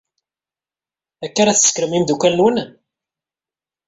Akka ara tsekkrem imeddukal-nwen?